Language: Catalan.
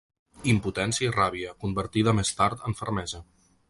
Impotència i ràbia, convertida més tard en fermesa.